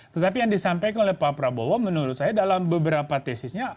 tetapi yang disampaikan oleh pak prabowo menurut saya dalam beberapa tesisnya